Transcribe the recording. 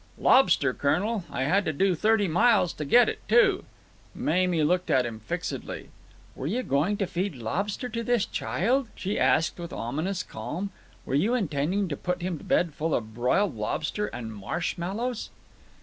"Lobster, colonel. I had to do thirty miles to get it, too." Mamie looked at him fixedly. "Were you going to feed lobster to this child?" she asked with ominous calm. "Were you intending to put him to bed full of broiled lobster and marshmallows?"